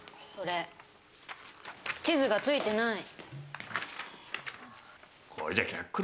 これ、地図がついてない。